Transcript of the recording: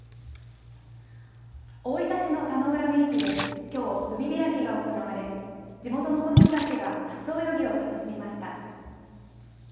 大分市の田ノ浦ビーチできょう海開きが行われ地元の子どもたちが初泳ぎを楽しみました。